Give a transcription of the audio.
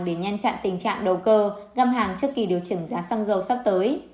để nhanh chặn tình trạng đầu cơ ngâm hàng trước kỳ điều chỉnh giá xăng dầu sắp tới